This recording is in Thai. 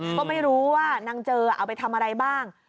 ก็ไม่รู้ว่านางเจอเอาไปทำอะไรบ้าง